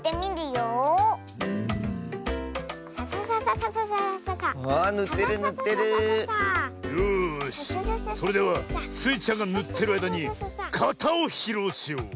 よしそれではスイちゃんがぬってるあいだにかたをひろうしよう。